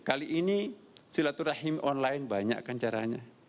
kali ini silaturahim online banyak kan caranya